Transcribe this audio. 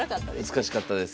難しかったです。